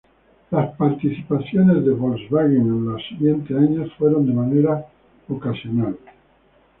Las participaciones de Volkswagen en los siguientes años fueron de manera ocasional.